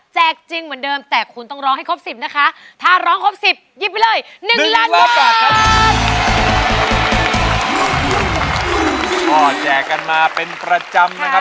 อ่อแจกกันมาเป็นประจำนะครับ